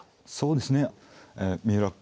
そうですねえ